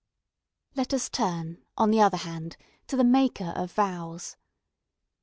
Let us turn, on the other hand, to the maker of vows.